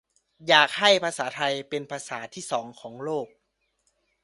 "อยากให้ภาษาไทยเป็นภาษาที่สองของโลก"